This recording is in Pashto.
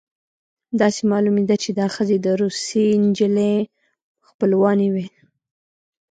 داسې معلومېده چې دا ښځې د روسۍ نجلۍ خپلوانې وې